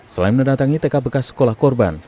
selain mendatangi tk bekas sekolah korban